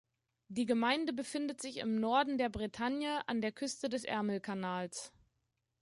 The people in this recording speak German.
Die Gemeinde befindet sich im Norden der Bretagne an der Küste des Ärmelkanals.